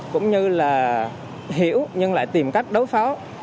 cũng như là hiểu nhưng lại tìm cách đối phó